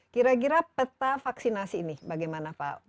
kira kira peta vaksinasi ini bagaimana pak